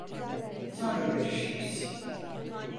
Sonra görüşürüz.